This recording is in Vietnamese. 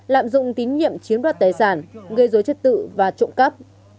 lạm dụng tín nhiệm chiếm đoạt tài sản gây dối chất tự và trộm cắp